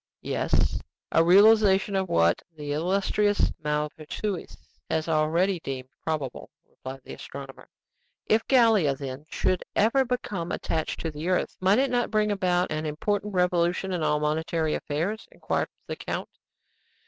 "Yes; a realization of what the illustrious Maupertuis has already deemed probable," replied the astronomer. "If Gallia, then, should ever become attached to the earth, might it not bring about an important revolution in all monetary affairs?" inquired the count.